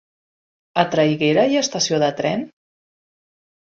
A Traiguera hi ha estació de tren?